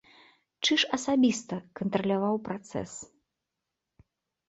Чыж асабіста кантраляваў працэс.